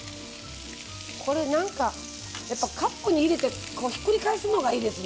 これなんかやっぱカップに入れてひっくり返すのがいいですね。